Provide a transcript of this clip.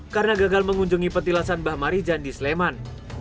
karena gagal mengunjungi petilasan bah mari jandis leman